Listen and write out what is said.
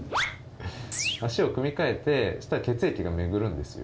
足を組み替えて、血液が巡るんですよ。